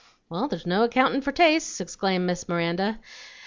"Well, there's no accountin' for tastes," exclaimed Miss Miranda.